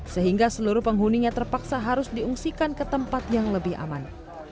sehingga seluruh penghuninya terpaksa harus diungsikan ke tempat yang lebih aman